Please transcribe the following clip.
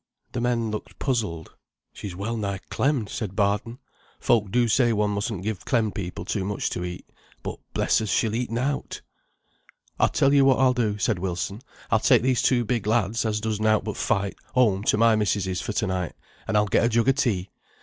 The men looked puzzled. "She's well nigh clemmed," said Barton. "Folk do say one mustn't give clemmed people much to eat; but, bless us, she'll eat nought." "I'll tell yo what I'll do," said Wilson. "I'll take these two big lads, as does nought but fight, home to my missis's for to night, and I'll get a jug o' tea.